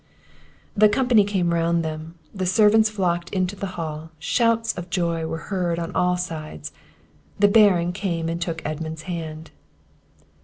The company came round them, the servants flocked into the hall: shouts of joy were heard on all sides; the Baron came and took Edmund's hand.